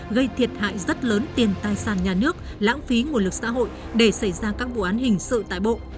gây thiệt hại rất lớn tiền tài sản nhà nước lãng phí nguồn lực xã hội để xảy ra các vụ án hình sự tại bộ